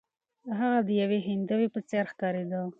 هغه د یوې هندوې په څیر ښکاریده.